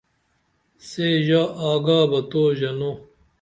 سے ژا آگا بہ تو ژنو